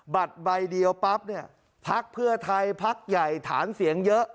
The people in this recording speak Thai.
บัตรใบเดียวปั๊บเนี่ยพักเพื่อไทยพักใหญ่ฐานเสียงเยอะ